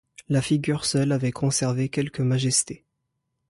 La figure seule avait conservé quelque majesté.